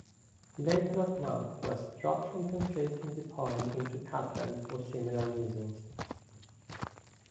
Later that month was dropped from translating the poem into Catalan for similar reasons.